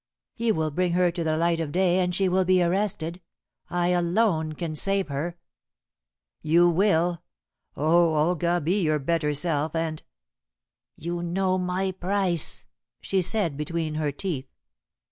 "You will bring her to the light of day and she will be arrested. I alone can save her." "You will. Oh, Olga, be your better self, and " "You know my price," she said between her teeth.